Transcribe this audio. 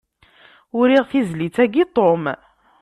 Uriɣ tizlit-agi i Tom.